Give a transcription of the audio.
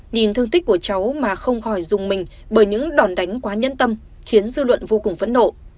nhìn thương tích của cháu mà không khỏi dùng mình bởi những đòn đánh quá nhân tâm khiến dư luận vô cùng phẫn nộ